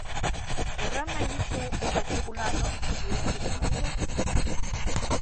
Erran nahi duzu ez dakigula nortzuk diren gizon horiek?